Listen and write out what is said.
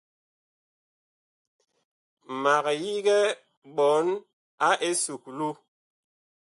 Mag yigɛ ɓɔɔn a esukulu.